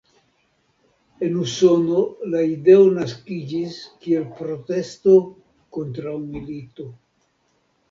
En Usono la ideo naskiĝis kiel protesto kontraŭ milito.